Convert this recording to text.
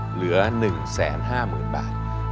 เหลือ๑๕๐๐๐บาท